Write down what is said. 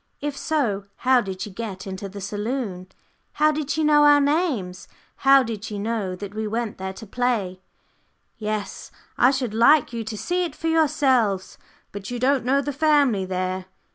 If so, how did she get into the saloon? how did she know our names? how did she know that we went there to play? "Yes, I should like you to see it for yourselves. But you don't know the family there?"